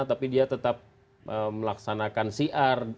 tapi dia tetap melaksanakan siar